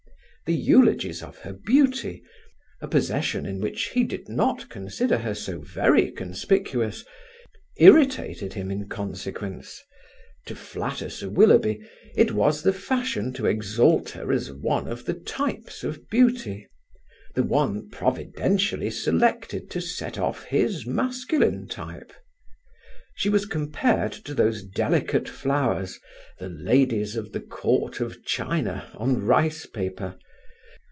The eulogies of her beauty, a possession in which he did not consider her so very conspicuous, irritated him in consequence. To flatter Sir Willoughby, it was the fashion to exalt her as one of the types of beauty; the one providentially selected to set off his masculine type. She was compared to those delicate flowers, the ladies of the Court of China, on rice paper.